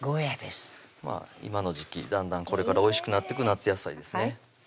今の時季だんだんこれからおいしくなってく夏野菜ですね